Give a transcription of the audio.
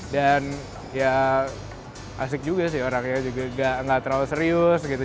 dan ya asik juga sih orangnya juga gak terlalu serius gitu